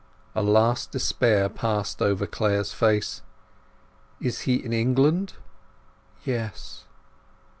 A last despair passed over Clare's face. "Is he in England?" "Yes."